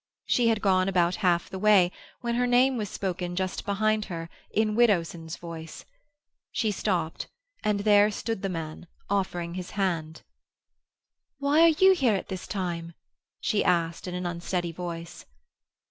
She had gone about half the way, when her name was spoken just behind her, in Widdowson's voice. She stopped, and there stood the man, offering his hand. "Why are you here at this time?" she asked in an unsteady voice.